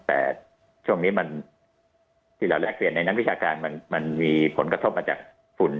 แต่ช่วงนี้มันที่เราแลกเปลี่ยนในนักวิชาการมันมีผลกระทบมาจากฝุ่น